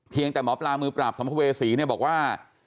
เพียงแต่หมอปลามือปราบสมพเวศีบอกว่า